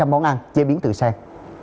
hai trăm linh món ăn chế biến từ sen